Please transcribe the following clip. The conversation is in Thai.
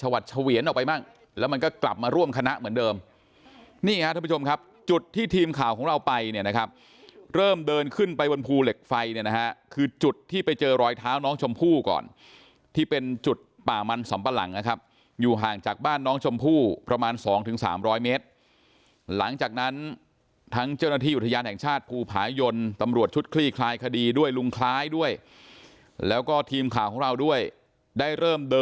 ชวัดเฉวียนออกไปบ้างแล้วมันก็กลับมาร่วมคณะเหมือนเดิมนี่อ่ะท่านผู้ชมครับจุดที่ทีมข่าวของเราไปเนี่ยนะครับเริ่มเดินขึ้นไปบนภูเหล็กไฟเนี่ยนะฮะคือจุดที่ไปเจอรอยเท้าน้องชมพู่ก่อนที่เป็นจุดป่ามันสำปะหลังนะครับอยู่ห่างจากบ้านน้องชมพู่ประมาณ๒๓๐๐เมตรหลังจากนั้นทั้งเจ้าหน้าที่อุทยานแ